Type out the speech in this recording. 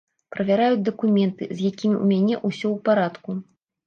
Правяраюць дакументы, з якімі ў мяне ўсё ў парадку.